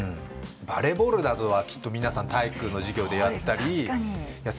バレーボールなどはきっと皆さん体育の授業でやったりそうですね